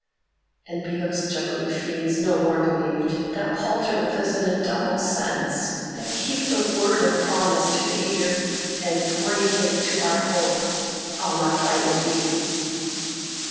And be those juggling fiends no more believed, that palter with us in a double sense; that keep the word of promise to the ear, and break it to our hope. I'll not fight with thee!"